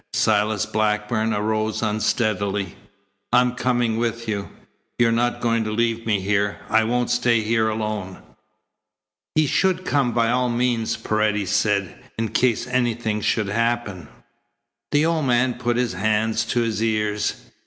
Silas Blackburn arose unsteadily. "I'm coming with you. You're not going to leave me here. I won't stay here alone." "He should come by all means," Paredes said, "in case anything should happen " The old man put his hands to his ears.